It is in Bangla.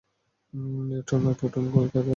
নিউট্রন আর প্রোটন এই কণা দিয়েই তৈরি।